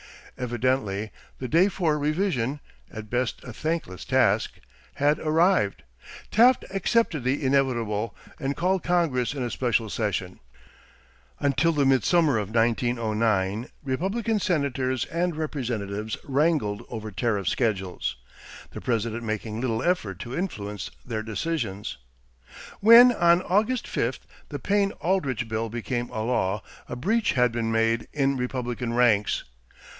Evidently the day for revision at best a thankless task had arrived. Taft accepted the inevitable and called Congress in a special session. Until the midsummer of 1909, Republican Senators and Representatives wrangled over tariff schedules, the President making little effort to influence their decisions. When on August 5 the Payne Aldrich bill became a law, a breach had been made in Republican ranks.